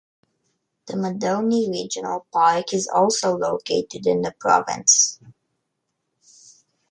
The Madonie Regional Park is also located in the province.